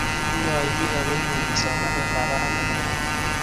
inyoi biik ago ineti somanetabbarak inendet